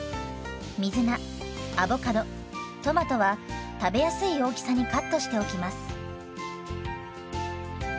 水菜アボカドトマトは食べやすい大きさにカットしておきます。